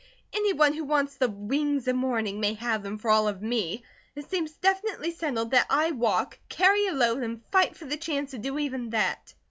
Any one who wants 'the wings of morning' may have them for all of me. It seems definitely settled that I walk, carry a load, and fight for the chance to do even that."